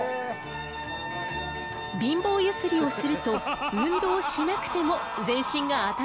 貧乏ゆすりをすると運動しなくても全身が温かくなるのよ。